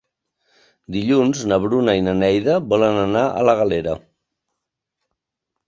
Dilluns na Bruna i na Neida volen anar a la Galera.